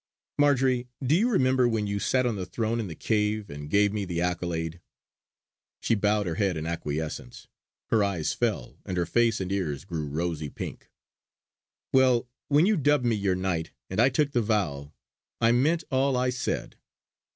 "Marjory, do you remember when you sat on the throne in the cave, and gave me the accolade?" She bowed her head in acquiescence; her eyes fell, and her face and ears grew rosy pink. "Well, when you dubbed me your knight, and I took the vow, I meant all I said!